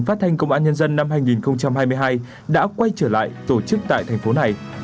phát thanh công an nhân dân năm hai nghìn hai mươi hai đã quay trở lại tổ chức tại thành phố này